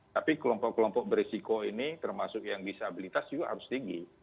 tapi kelompok kelompok berisiko ini termasuk yang disabilitas juga harus tinggi